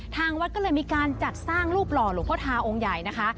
ทางวัดก็เลยมีการจัดสร้างรูปหล่อหลวงพ่อทาองค์ใหญ่นะคะ